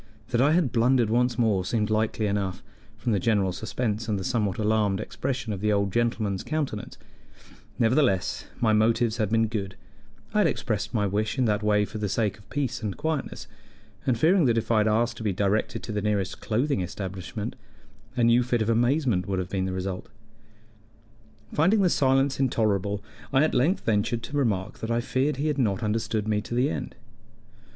That I had blundered once more seemed likely enough, from the general suspense and the somewhat alarmed expression of the old gentleman's countenance; nevertheless, my motives had been good: I had expressed my wish in that way for the sake of peace and quietness, and fearing that if I had asked to be directed to the nearest clothing establishment, a new fit of amazement would have been the result. Finding the silence intolerable, I at length ventured to remark that I feared he had not understood me to the end.